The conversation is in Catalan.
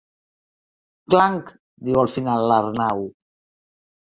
Clang —diu al final l'Arnau.